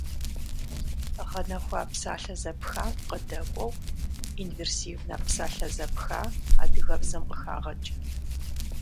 Гъэнэхуа псалъэ зэпхам къыдэкӏуэу инверсивнэ псалъэ зэпха адыгэбзэм къыхагъэкӏ.